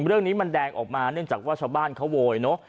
เรื่องนี้มันแดงออกมาเนื่องจากว่าชาวบ้านเขาโวยเนอะ